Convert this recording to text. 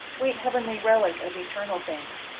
Sweet heavenly relic of eternal things!